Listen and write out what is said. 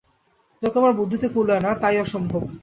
যা তোমার বুদ্ধিতে কুলোয় না তাই অসম্ভব।